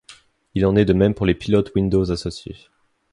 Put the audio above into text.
Il en est de même pour les pilotes windows associés.